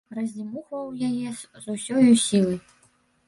Раздзьмухваў яе з усёю сілай.